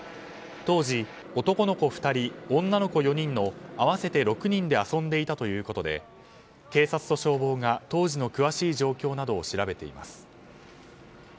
当時男の子２人、女の子４人の合わせて６人で遊んでいたということで警察と消防が当時の詳しい状況などを調べています。